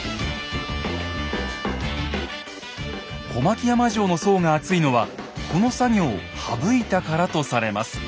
小牧山城の層が厚いのはこの作業を省いたからとされます。